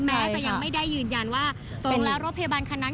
แม้จะยังไม่ได้ยืนยันว่าตรงแล้วรถพยาบาลคันนั้น